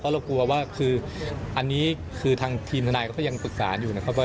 เรากลัวว่าคืออันนี้คือทางทีมทนายก็ยังปรึกษาอยู่นะครับว่า